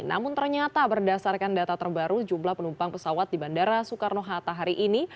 namun ternyata berdasarkan data terbaru jumlah penumpang pesawat di bandara soekarno hatta hari ini